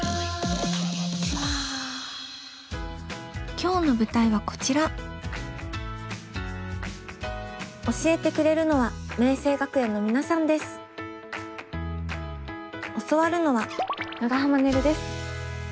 今日の舞台はこちら教えてくれるのは教わるのは長濱ねるです。